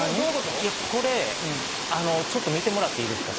いやこれちょっと見てもらっていいですか？